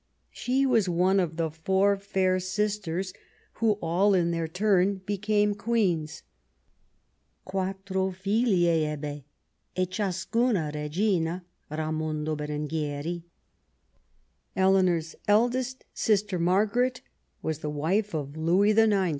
She Avas one of four fair sisters, who all in their turn became queens. " Quattro figlie ebbe, e ciascuna regina, Eamondo Beringliieri." Eleanor's elder sister Margaret was the wife of Louis IX.